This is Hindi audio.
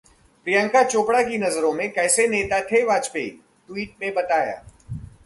प्रियंका चोपड़ा की नजरों में कैसे नेता थे वाजपेयी? ट्वीट में बताया